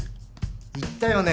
言ったよね？